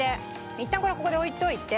いったんこれはここに置いておいて。